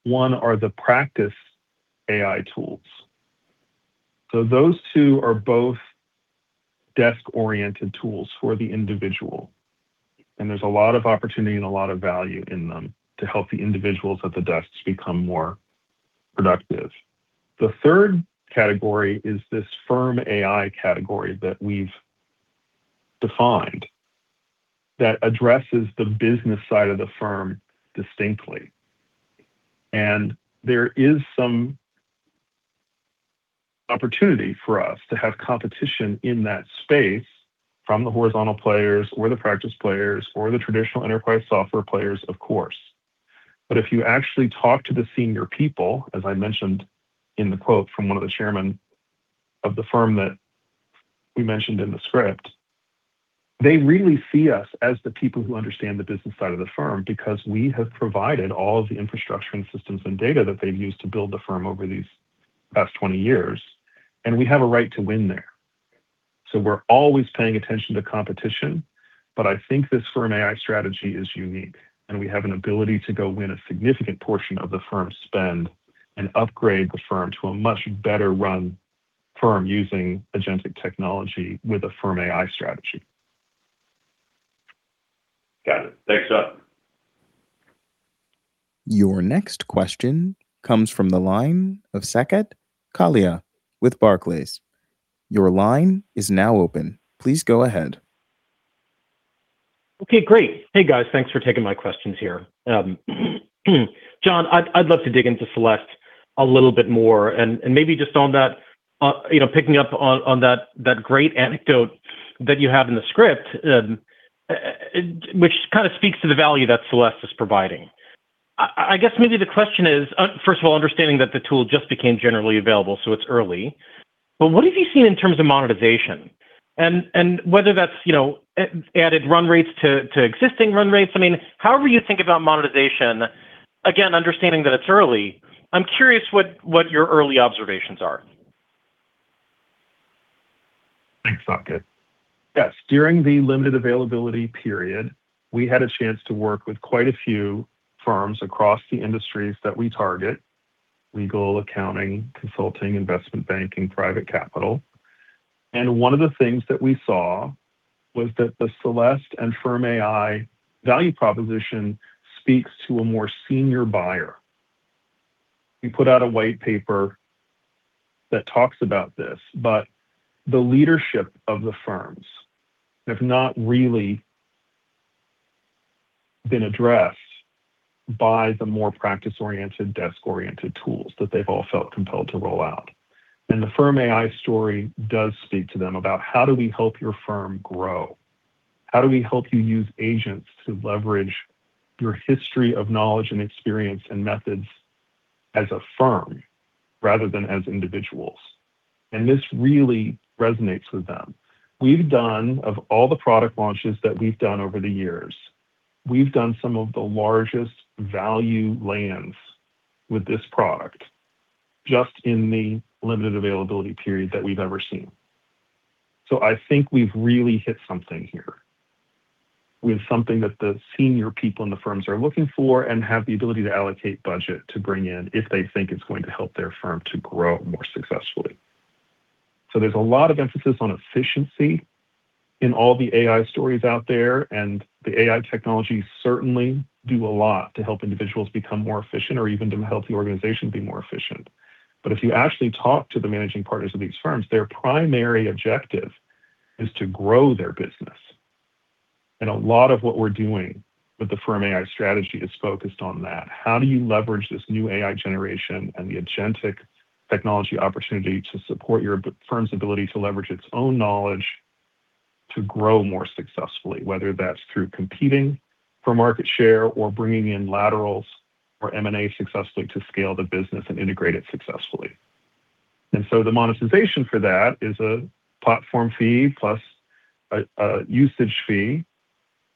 one are the practice AI tools. Those two are both desk oriented tools for the individual, and there's a lot of opportunity and a lot of value in them to help the individuals at the desks become more productive. The third category is this Firm AI category that we've defined that addresses the business side of the firm distinctly. There is some opportunity for us to have competition in that space from the horizontal players or the practice players or the traditional enterprise software players, of course. If you actually talk to the senior people, as I mentioned in the quote from one of the Chairman of the firm that we mentioned in the script, they really see us as the people who understand the business side of the firm because we have provided all of the infrastructure and systems and data that they've used to build the firm over these past 20 years, and we have a right to win there. We're always paying attention to competition. I think this Firm AI strategy is unique, and we have an ability to go win a significant portion of the firm's spend and upgrade the firm to a much better run firm using agentic technology with a Firm AI strategy. Got it. Thanks, John. Your next question comes from the line of Saket Kalia with Barclays. Your line is now open. Please go ahead. Okay, great. Hey, guys. Thanks for taking my questions here. John, I'd love to dig into Celeste a little bit more and maybe just on that, picking up on that great anecdote that you have in the script, which kind of speaks to the value that Celeste is providing. I guess maybe the question is, first of all, understanding that the tool just became generally available, so it's early. What have you seen in terms of monetization and whether that's added run rates to existing run rates? However you think about monetization, again, understanding that it's early, I'm curious what your early observations are. Thanks, Saket Yes. During the limited availability period, we had a chance to work with quite a few firms across the industries that we target: legal, accounting, consulting, investment banking, private capital. One of the things that we saw was that the Celeste and Firm AI value proposition speaks to a more senior buyer. We put out a white paper that talks about this, the leadership of the firms have not really been addressed by the more practice-oriented, desk-oriented tools that they've all felt compelled to roll out. The Firm AI story does speak to them about how do we help your firm grow? How do we help you use agents to leverage your history of knowledge and experience and methods as a firm rather than as individuals? This really resonates with them. Of all the product launches that we've done over the years, we've done some of the largest value lands with this product just in the limited availability period than we've ever seen. I think we've really hit something here with something that the senior people in the firms are looking for and have the ability to allocate budget to bring in if they think it's going to help their firm to grow more successfully. There's a lot of emphasis on efficiency in all the AI stories out there, the AI technologies certainly do a lot to help individuals become more efficient or even to help the organization be more efficient. If you actually talk to the managing partners of these firms, their primary objective is to grow their business. A lot of what we're doing with the Firm AI strategy is focused on that. How do you leverage this new AI generation and the agentic technology opportunity to support your firm's ability to leverage its own knowledge to grow more successfully, whether that's through competing for market share or bringing in laterals or M&A successfully to scale the business and integrate it successfully. The monetization for that is a platform fee plus a usage fee,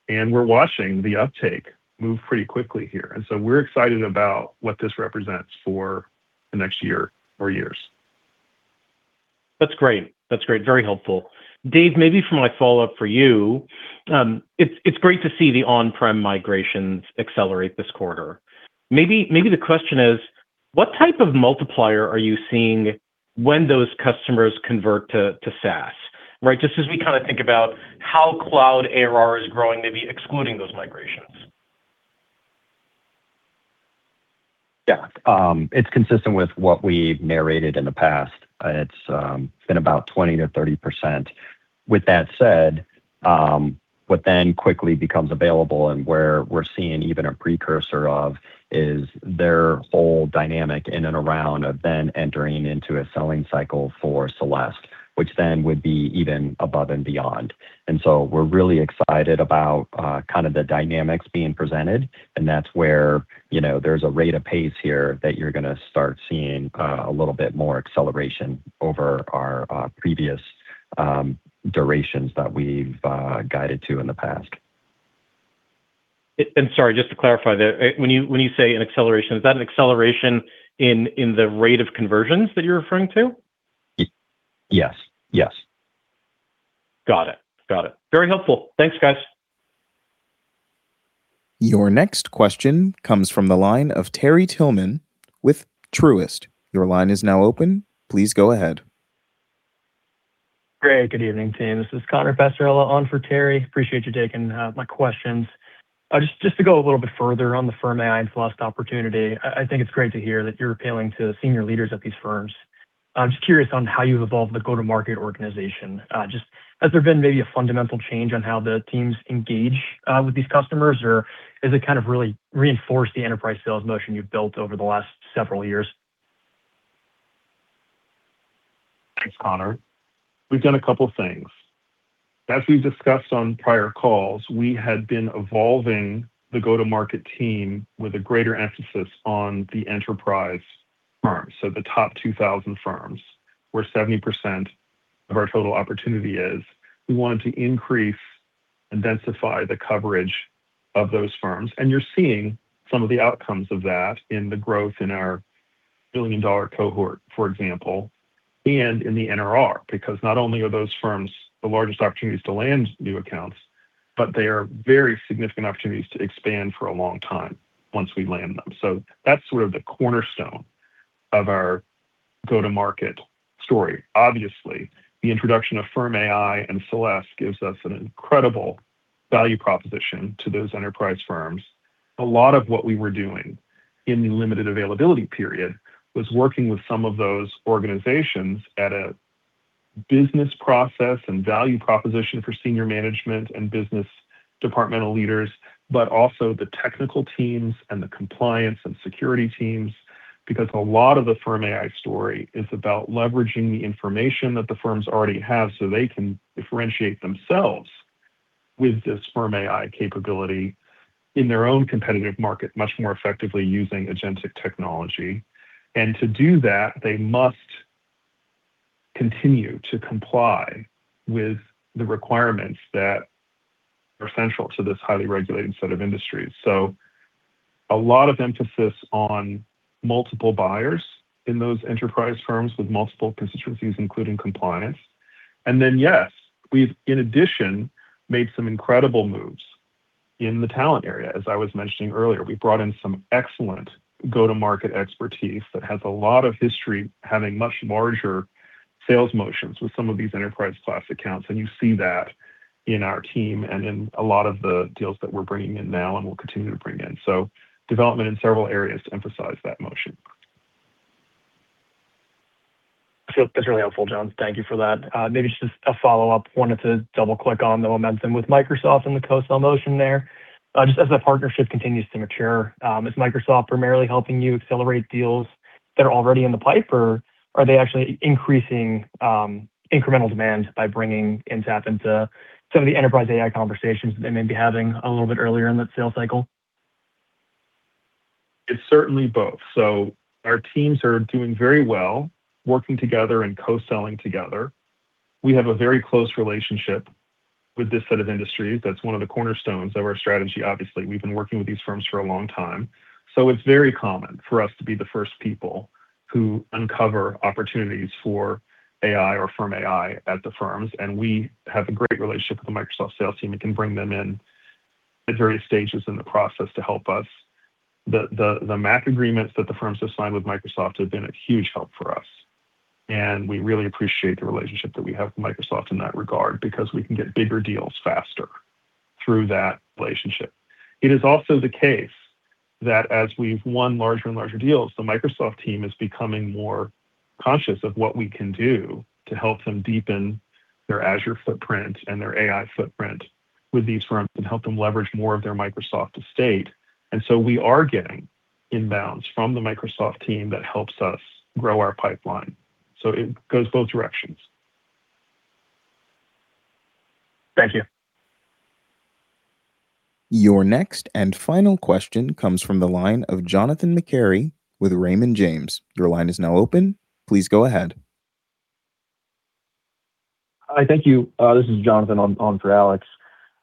we're watching the uptake move pretty quickly here. We're excited about what this represents for the next year or years. That's great. Very helpful. Dave, maybe for my follow-up for you, it's great to see the on-prem migrations accelerate this quarter. Maybe the question is, what type of multiplier are you seeing when those customers convert to SaaS? Just as we think about how cloud ARR is growing, maybe excluding those migrations. Yeah. It's consistent with what we've narrated in the past. It's been about 20%-30%. With that said, what then quickly becomes available and where we're seeing even a precursor of is their whole dynamic in and around of then entering into a selling cycle for Celeste, which then would be even above and beyond. We're really excited about the dynamics being presented, and that's where there's a rate of pace here that you're going to start seeing a little bit more acceleration over our previous durations that we've guided to in the past. Sorry, just to clarify there, when you say an acceleration, is that an acceleration in the rate of conversions that you're referring to? Yes. Got it. Very helpful. Thanks, guys. Your next question comes from the line of Terry Tillman with Truist. Your line is now open. Please go ahead. Great. Good evening, team. This is Connor Passarella on for Terry. Appreciate you taking my questions. To go a little bit further on the Firm AI and Celeste opportunity, I think it's great to hear that you're appealing to senior leaders at these firms. Has there been maybe a fundamental change on how the teams engage with these customers, or has it kind of really reinforced the enterprise sales motion you've built over the last several years? Thanks, Connor. We've done a couple things. As we've discussed on prior calls, we had been evolving the go-to-market team with a greater emphasis on the enterprise firms. The top 2,000 firms, where 70% of our total opportunity is. We wanted to increase and densify the coverage of those firms, and you're seeing some of the outcomes of that in the growth in our billion-dollar cohort, for example, and in the NRR. Not only are those firms the largest opportunities to land new accounts, but they are very significant opportunities to expand for a long time once we land them. That's sort of the cornerstone of our go-to-market story. Obviously, the introduction of Firm AI and Celeste gives us an incredible value proposition to those enterprise firms. A lot of what we were doing in the limited availability period was working with some of those organizations at a business process and value proposition for senior management and business departmental leaders, but also the technical teams and the compliance and security teams. A lot of the Firm AI story is about leveraging the information that the firms already have so they can differentiate themselves with the Firm AI capability in their own competitive market much more effectively using agentic technology. To do that, they must continue to comply with the requirements that are central to this highly regulated set of industries. A lot of emphasis on multiple buyers in those enterprise firms with multiple constituencies, including compliance. Then, yes, we've, in addition, made some incredible moves in the talent area. As I was mentioning earlier, we brought in some excellent go-to-market expertise that has a lot of history, having much larger sales motions with some of these enterprise class accounts. You see that in our team and in a lot of the deals that we're bringing in now and will continue to bring in. Development in several areas to emphasize that motion. That's really helpful, John. Thank you for that. Maybe just a follow-up. Wanted to double-click on the momentum with Microsoft and the co-sell motion there. Just as the partnership continues to mature, is Microsoft primarily helping you accelerate deals that are already in the pipe, or are they actually increasing incremental demand by bringing Intapp into some of the enterprise AI conversations that they may be having a little bit earlier in that sales cycle? It's certainly both. Our teams are doing very well working together and co-selling together. We have a very close relationship with this set of industries. That's one of the cornerstones of our strategy obviously. We've been working with these firms for a long time, so it's very common for us to be the first people who uncover opportunities for AI or Firm AI at the firms. We have a great relationship with the Microsoft sales team and can bring them in at various stages in the process to help us. The MAC agreements that the firms have signed with Microsoft have been a huge help for us, and we really appreciate the relationship that we have with Microsoft in that regard, because we can get bigger deals faster through that relationship. It is also the case that as we've won larger and larger deals, the Microsoft team is becoming more conscious of what we can do to help them deepen their Azure footprint and their AI footprint with these firms and help them leverage more of their Microsoft estate. We are getting inbounds from the Microsoft team that helps us grow our pipeline. It goes both directions. Thank you. Your next and final question comes from the line of Jonathan McCary with Raymond James. Your line is now open. Please go ahead. Hi, thank you. This is Jonathan on for Alex.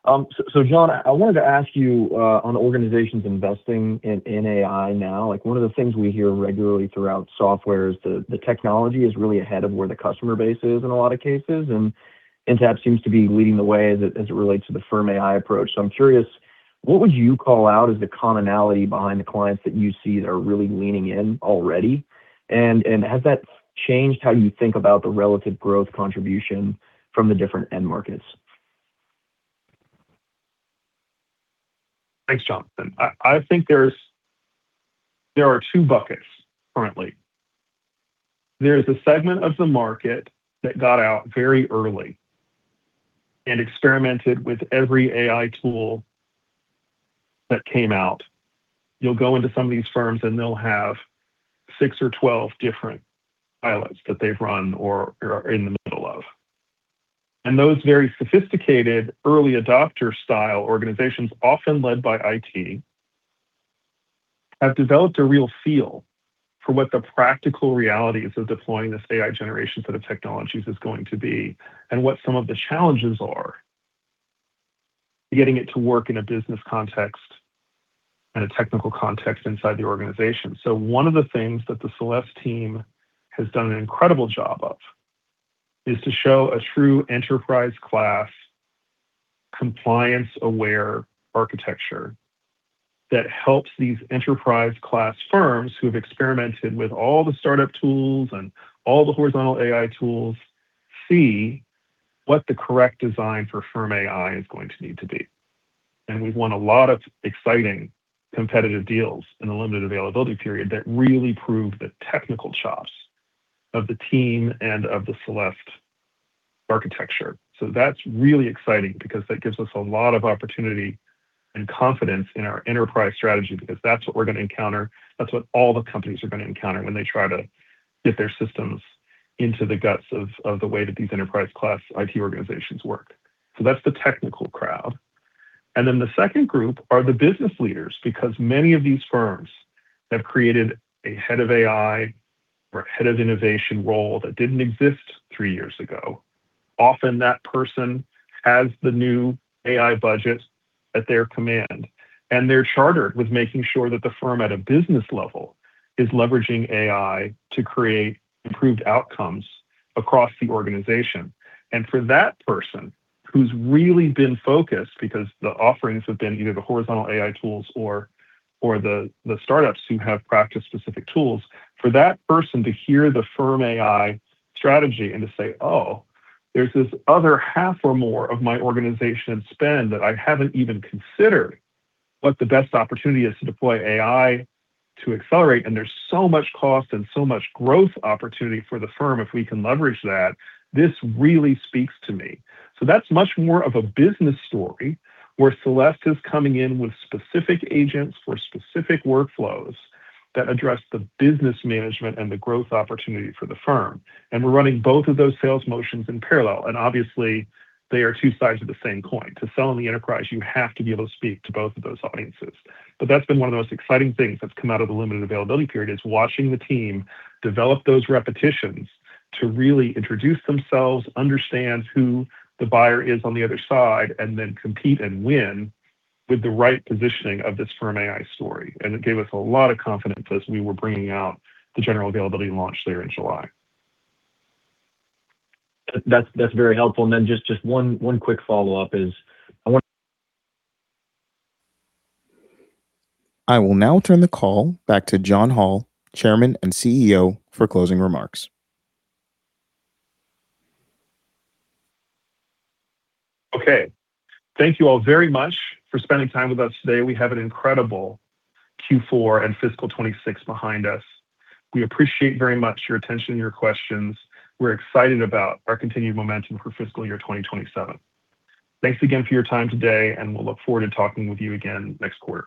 John, I wanted to ask you, on organizations investing in AI now, one of the things we hear regularly throughout software is the technology is really ahead of where the customer base is in a lot of cases, and Intapp seems to be leading the way as it relates to the Firm AI approach. I'm curious, what would you call out as the commonality behind the clients that you see that are really leaning in already? Has that changed how you think about the relative growth contribution from the different end markets? Thanks, Jonathan. I think there are two buckets currently. There's a segment of the market that got out very early and experimented with every AI tool that came out. You'll go into some of these firms, and they'll have six or 12 different pilots that they've run or are in the middle of. Those very sophisticated early adopter style organizations, often led by IT, have developed a real feel for what the practical realities of deploying this AI generation set of technologies is going to be and what some of the challenges are, getting it to work in a business context and a technical context inside the organization. One of the things that the Celeste team has done an incredible job of is to show a true enterprise-class, compliance-aware architecture that helps these enterprise-class firms who've experimented with all the startup tools and all the horizontal AI tools, see what the correct design for Firm AI is going to need to be. We've won a lot of exciting competitive deals in a limited availability period that really prove the technical chops of the team and of the Celeste architecture. That's really exciting because that gives us a lot of opportunity and confidence in our enterprise strategy, because that's what we're going to encounter. That's what all the companies are going to encounter when they try to get their systems into the guts of the way that these enterprise-class IT organizations work. That's the technical crowd. The second group are the business leaders, because many of these firms have created a head of AI or head of innovation role that didn't exist three years ago. Often that person has the new AI budget at their command, and they're chartered with making sure that the firm at a business level is leveraging AI to create improved outcomes across the organization. For that person who's really been focused, because the offerings have been either the horizontal AI tools or the startups who have practice-specific tools, for that person to hear the Firm AI strategy and to say, "Oh, there's this other half or more of my organization spend that I haven't even considered what the best opportunity is to deploy AI to accelerate, and there's so much cost and so much growth opportunity for the firm if we can leverage that. This really speaks to me." That's much more of a business story where Celeste is coming in with specific agents for specific workflows that address the business management and the growth opportunity for the firm. We're running both of those sales motions in parallel. Obviously they are two sides of the same coin. To sell in the enterprise, you have to be able to speak to both of those audiences. That's been one of the most exciting things that's come out of the limited availability period, is watching the team develop those repetitions to really introduce themselves, understand who the buyer is on the other side, and then compete and win with the right positioning of this Firm AI story. It gave us a lot of confidence as we were bringing out the general availability launch there in July. That's very helpful. Just one quick follow-up. I will now turn the call back to John Hall, Chairman and CEO, for closing remarks. Okay. Thank you all very much for spending time with us today. We have an incredible Q4 and fiscal 2026 behind us. We appreciate very much your attention and your questions. We're excited about our continued momentum for fiscal year 2027. Thanks again for your time today, and we'll look forward to talking with you again next quarter.